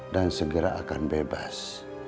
dan segera akan bebas